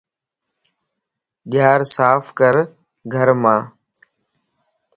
ڄار صاف ڪر گھرمان